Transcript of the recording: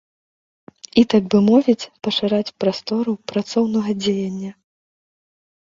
І, так бы мовіць, пашыраць прастору працоўнага дзеяння.